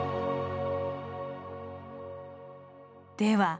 では